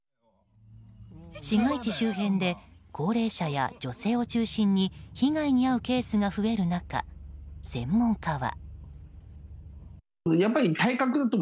市街地周辺で高齢者や女性を中心に被害に遭うケースが増える中専門家は。